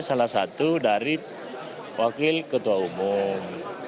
salah satu dari wakil ketua umum